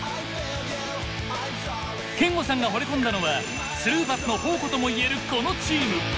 憲剛さんがほれ込んだのはスルーパスの宝庫ともいえるこのチーム。